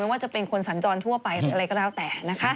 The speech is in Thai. ไม่ว่าจะเป็นคนสะจะวนทั่วไปอะไรก็แล้วแต่